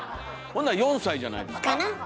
ほんなら４歳じゃないですか？